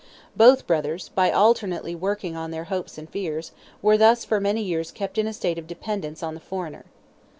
Both brothers, by alternately working on their hopes and fears, were thus for many years kept in a state of dependence on the foreigner.